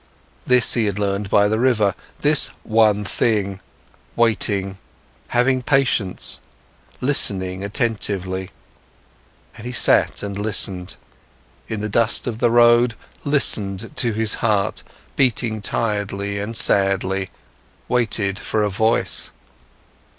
This he had learned by the river, this one thing: waiting, having patience, listening attentively. And he sat and listened, in the dust of the road, listened to his heart, beating tiredly and sadly, waited for a voice.